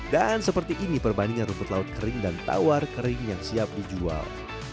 dan seperti ini perbandingan rumput laut kering dan tawar kering yang siap dijual